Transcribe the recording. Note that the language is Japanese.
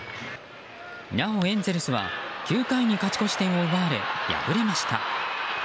なおエンゼルスは９回に勝ち越し点を奪われ敗れました。